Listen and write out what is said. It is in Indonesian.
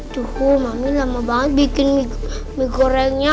duku mami lama banget bikin mie gorengnya